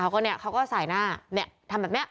เขาก็ใส่หน้าทำแบบนี้